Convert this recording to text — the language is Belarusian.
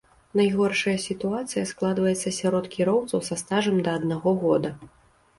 Найгоршая сітуацыя складваецца сярод кіроўцаў са стажам да аднаго года.